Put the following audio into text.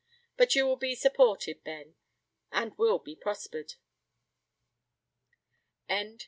But you will be supported, Ben, and will be prospered."